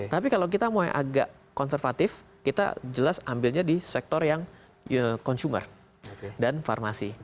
tapi kalau kita mau yang agak konservatif kita jelas ambilnya di sektor yang consumer dan farmasi